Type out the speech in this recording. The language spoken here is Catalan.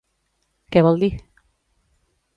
Què vol dir?